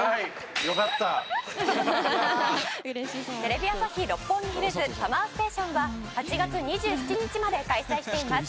テレビ朝日・六本木ヒルズＳＵＭＭＥＲＳＴＡＴＩＯＮは８月２７日まで開催しています！